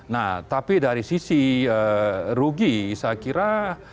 nah tapi dari sisi rugi saya kira